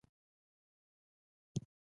ایا تاسو زما درد احساس کړ؟